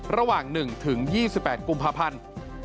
ระหว่าง๑ถึง๒๘กุมพะพันธุ์